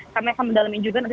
kami akan mendalami juga nanti